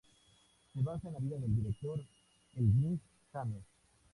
Se basa en la vida del director Elgin James.